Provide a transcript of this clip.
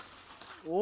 お！